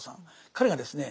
彼がですね